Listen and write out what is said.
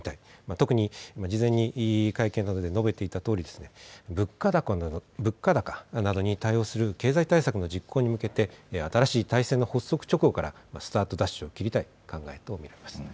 特に、事前に会見などで述べていたとおり、物価高などに対応する経済対策の実行に向けて、新しい体制の発足直後からスタートダッシュを切りたい考えと見られます。